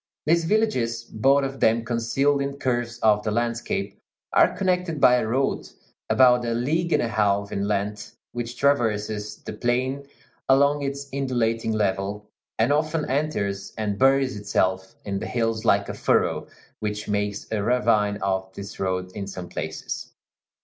These villages, both of them concealed in curves of the landscape, are connected by a road about a league and a half in length, which traverses the plain along its undulating level, and often enters and buries itself in the hills like a furrow, which makes a ravine of this road in some places.